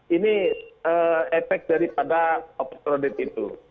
ini efek daripada per product itu